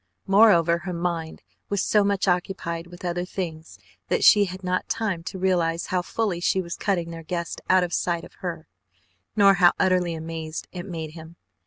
Moreover, her mind was so much occupied with other things that she had not time to realize how fully she was cutting their guest out of sight of her, nor how utterly amazed it made him.